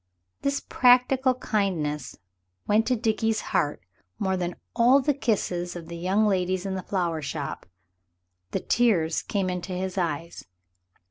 This practical kindness went to Dickie's heart more than all the kisses of the young ladies in the flower shop. The tears came into his eyes.